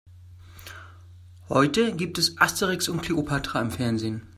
Heute gibt es Asterix und Kleopatra im Fernsehen.